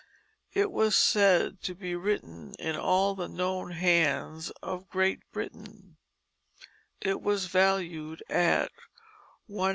It was said to be "written in all the known hands of Great Britain," and was valued at £100.